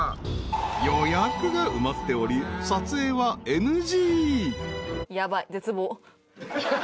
［予約が埋まっており撮影はＮＧ］